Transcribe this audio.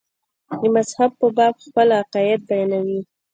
د مذهب په باب خپل عقاید بیانوي.